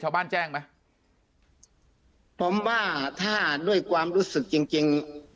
แจ้งไหมผมว่าถ้าด้วยความรู้สึกจริงจริง